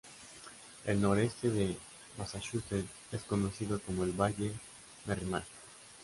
El noreste de Massachusetts es conocido como el Valle Merrimack.